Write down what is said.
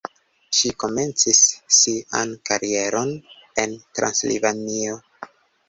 Ŝi komencis sian karieron en Transilvanio.